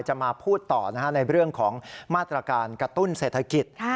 จะมาพูดต่อในเรื่องของมาตรการกระตุ้นเศรษฐกิจ